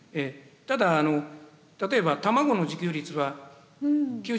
ただ例えば卵の自給率は９７％ある。